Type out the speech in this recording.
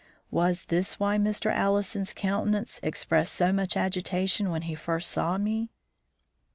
Was this why Mr. Allison's countenance expressed so much agitation when he first saw me?